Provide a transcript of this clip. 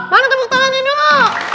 mana tepuk tangan ini dulu